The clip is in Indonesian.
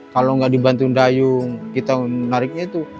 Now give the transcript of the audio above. kalau gak dibantu dayung kita menariknya tuh